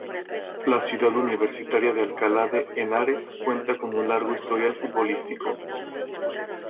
La ciudad universitaria de Alcalá de Henares cuenta con un largo historial futbolístico.